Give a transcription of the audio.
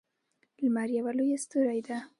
لمر یوه لویه ستوری ده